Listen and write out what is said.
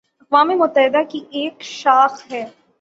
اقوام متحدہ کی ایک شاخ ہے